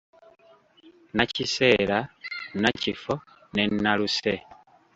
Nnakiseera, nnakifo ne nnaluse